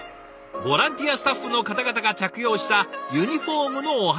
ボランティアスタッフの方々が着用したユニフォームのお話。